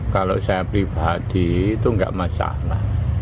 kalau saya pribadi itu enggak masalah